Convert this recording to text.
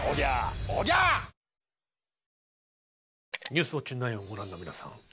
「ニュースウオッチ９」をご覧の皆さん